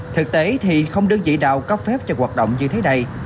thực tế thì không đơn vị nào có phép cho hoạt động như thế này